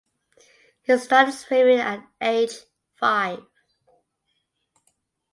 He started swimming at age five.